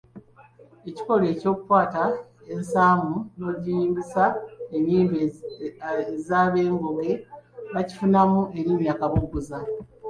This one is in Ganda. Ekikolwa ekyokukwata ensaamu n’ogiyimbisa ennyimba eb’Engonge bakifunamu erinnya Kabogozza.